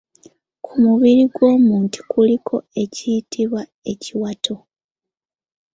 Ku mubiri gw’omuntu kuliko ekiyitibwa Ekiwato.